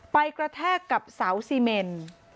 ไปกระแทกกับเสาสิเมน